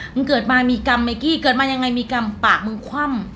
มึงเกิดมามีกรรมไหมกี้เกิดมายังไงมีกรรมปากมึงคว่ำ